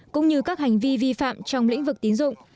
cũng như các hành vi vi phạm trong lĩnh vực tín dụng